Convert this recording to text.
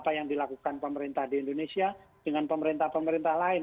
apa yang dilakukan pemerintah di indonesia dengan pemerintah pemerintah lain